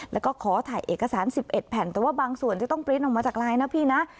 แล้วก็ขอถ่ายเอกสาร๑๑แผ่นแต่ว่าบางส่วนจะต้องปริ้นต์ออกมาจากไลน์นะพี่นะ